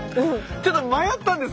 ちょっと迷ったんです。